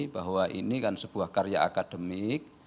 bahwa ini kan sebuah karya akademik